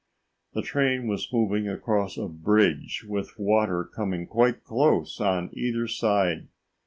The train was moving across a bridge with water coming quite close on either side.